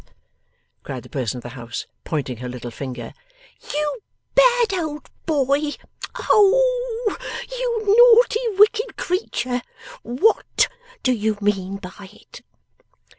cried the person of the house, pointing her little finger, 'You bad old boy! Oh h h you naughty, wicked creature! WHAT do you mean by it?